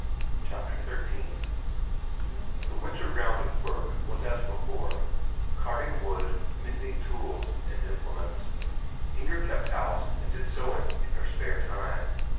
Chapter XIII The winter round of work was as before; carting wood, mending tools and implements. Inger kept house, and did sewing in her spare time.